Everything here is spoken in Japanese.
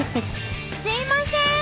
すいません！